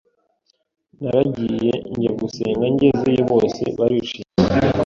Naragiye njya gusenga, ngezeyo bose barishima